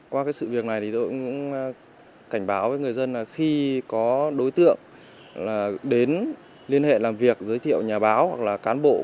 qua cái sự việc này thì tôi cũng cảnh báo với người dân là khi có đối tượng đến liên hệ làm việc giới thiệu nhà báo hoặc là cán bộ